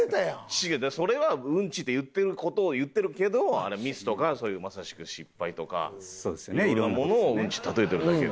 違うだってそれはうんちで言ってる事を言ってるけどミスとかそういうまさしく失敗とか。色んなものをうんち例えてるだけよ。